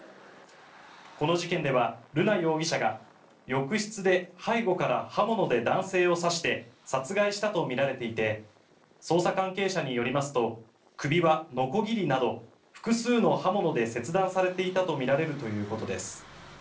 この事件では瑠奈容疑者が浴室で背後から刃物で男性を刺して殺害したとみられていて捜査関係者によりますと首はのこぎりなど、複数の刃物で切断されていたとみられるということです。